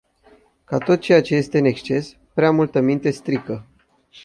Ca tot ce este în exces, prea multă minte strică.